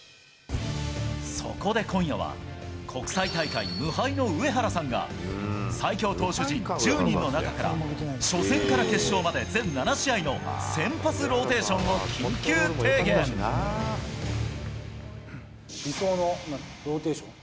そこで今夜は、国際大会無敗の上原さんが、最強投手陣１０人の中から初戦から決勝まで全７試合の先発ローテ理想のローテーション。